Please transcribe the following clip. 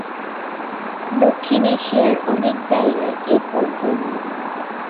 দক্ষিণ এশিয়ার অনেক জায়গায় এ ফল জন্মে।